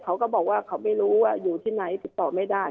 เขาก็บอกว่าเขาไม่รู้ว่าอยู่ที่ไหนติดต่อไม่ได้